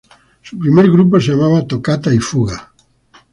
Su primer grupo se llamaba Tocata y Fuga.